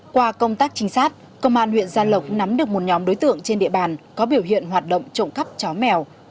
qua công tác trinh sát công an huyện gia lộc nắm được một nhóm đối tượng trên địa bàn có biểu hiện hoạt động trộm cắp chó mèo